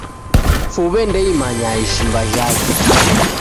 Fuw'e nde imanya ishimba jhake.